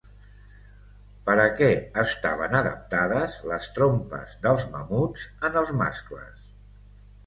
Per a què estaven adaptades les trompes dels mamuts en els mascles?